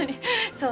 そう